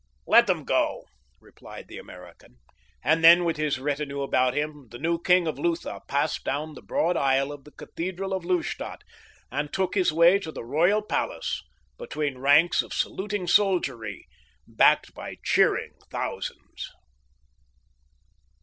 "Let them go," replied the American, and then, with his retinue about him the new king of Lutha passed down the broad aisle of the cathedral of Lustadt and took his way to the royal palace between ranks of saluting soldiery backed by cheering thousands.